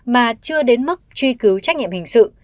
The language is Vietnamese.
mà chưa đến mức truy cứu trách nhiệm hình sự